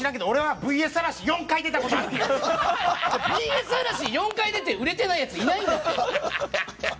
「ＶＳ嵐」４回出て売れてないやつはいないから！